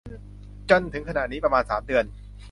จนถึงขณะนี้ประมาณสามเดือน